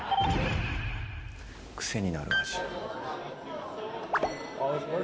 癖になる味？